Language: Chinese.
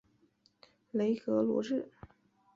雷格罗日。